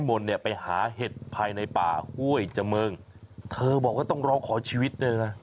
มนต์เนี่ยไปหาเห็ดภายในป่าห้วยเจมิงเธอบอกว่าต้องร้องขอชีวิตด้วยนะ